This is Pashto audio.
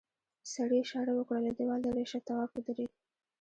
سړي اشاره وکړه له دیوال ليرې شه تواب ودرېد.